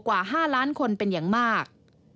กว่า๕ล้านคนเป็นอย่างมาก